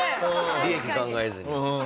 利益考えずに。